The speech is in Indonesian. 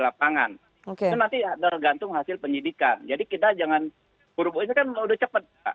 lapangan itu nanti ya tergantung hasil pendidikan jadi kita jangan puruboh ini kan sudah cepat